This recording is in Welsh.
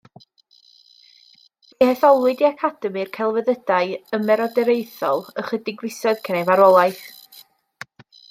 Fe'i hetholwyd i Academi'r Celfyddydau Ymerodraethol ychydig fisoedd cyn ei farwolaeth.